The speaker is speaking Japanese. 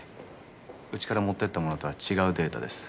うちから持っていったものとは違うデータです。